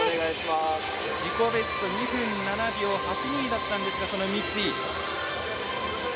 自己ベスト２分７秒８２だったんですが三井。